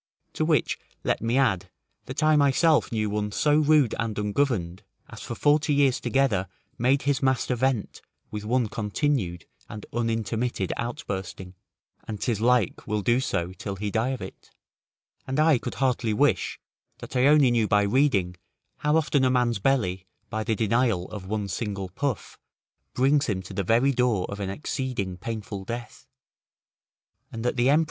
To which let me add, that I myself knew one so rude and ungoverned, as for forty years together made his master vent with one continued and unintermitted outbursting, and 'tis like will do so till he die of it. And I could heartily wish, that I only knew by reading, how often a man's belly, by the denial of one single puff, brings him to the very door of an exceeding painful death; and that the emperor, [The Emperor Claudius, who, however, according to Suetonius (Vita, c.